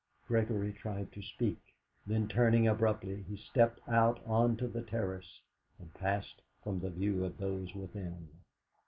Gregory tried to speak; then turning abruptly, he stepped out on to the terrace, and passed from the view of those within.